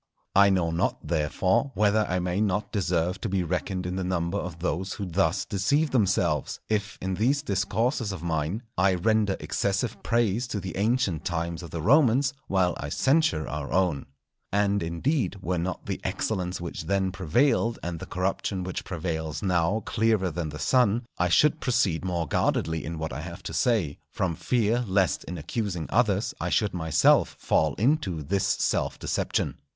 I know not, therefore, whether I may not deserve to be reckoned in the number of those who thus deceive themselves, if, in these Discourses of mine, I render excessive praise to the ancient times of the Romans while I censure our own. And, indeed, were not the excellence which then prevailed and the corruption which prevails now clearer than the sun, I should proceed more guardedly in what I have to say, from fear lest in accusing others I should myself fall into this self deception.